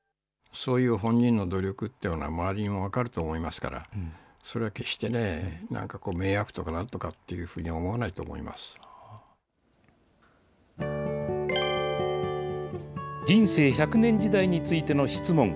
そういう本人の努力っていうのは、周りにも分かると思いますから、それは決してね、なんか迷惑とかなんとかっていうふうに思人生１００年時代についての質問。